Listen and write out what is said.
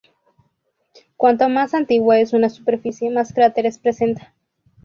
Cuanto más antigua es una superficie, más cráteres presenta.